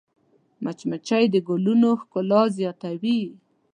مچمچۍ د ګلونو ښکلا زیاتوي